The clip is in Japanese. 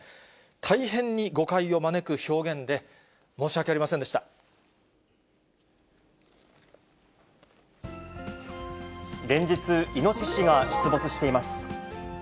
大変に誤解を招く表現で、連日、イノシシが出没してい